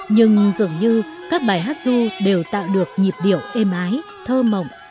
nhưng dường như các bài hát ru đều tạo được nhịp điểu êm ái thơ mộng